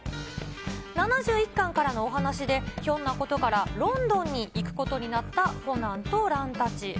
７１巻からのお話で、ひょんなことからロンドンに行くことになったコナンと蘭たち。